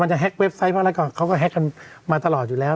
มันจะแฮ็กเว็บไซต์พอแล้วก่อนเขาก็แฮ็กกันมาตลอดอยู่แล้ว